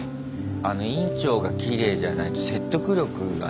あの院長がきれいじゃないと説得力がね。